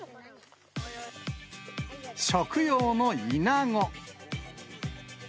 食用のイナゴ。